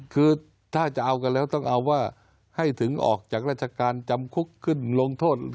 คือถ้าจะเอากันแล้วต้องเอาว่าให้ถึงออกจากราชการจำคุกขึ้นลงโทษ